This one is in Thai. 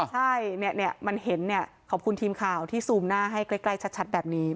ใช่มันเห็นขอบคุณทีมข่าวที่ซูมหน้าให้ใกล้ชัดแบบนี้